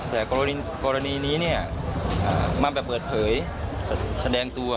แต่กรณีนี้มาไปเปิดเผยแสดงตัว